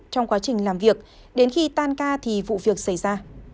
trong quá trình làm việc đến khi tan ca thì vụ việc xảy ra